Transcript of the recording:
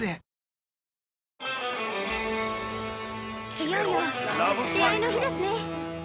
◆いよいよ試合の日ですね！